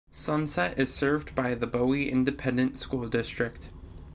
Sunset is served by the Bowie Independent School District.